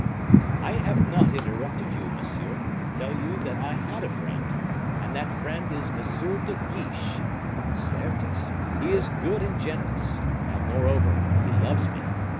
"I have not interrupted you, monsieur, to tell you that I had a friend, and that that friend is M. de Guiche. Certes, he is good and generous, and moreover he loves me.